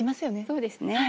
そうですね。